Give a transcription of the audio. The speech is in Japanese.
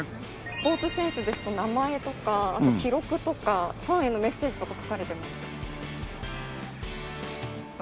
スポーツ選手ですと名前とかあと記録とかファンへのメッセージとか書かれてます。